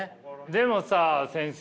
でもさ先生。